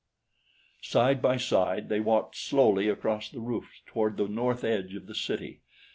Side by side they walked slowly across the roofs toward the north edge of the city.